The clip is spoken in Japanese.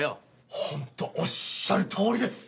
本当おっしゃるとおりです！